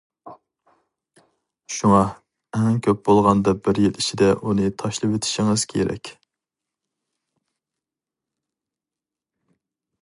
شۇڭا ئەڭ كۆپ بولغاندا بىر يىل ئىچىدە ئۇنى تاشلىۋېتىشىڭىز كېرەك.